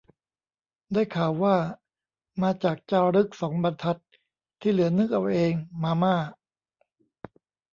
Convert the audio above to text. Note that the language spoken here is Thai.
ได้ข่าวว่า มาจากจารึกสองบรรทัด ที่เหลือนึกเอาเอง มาม่า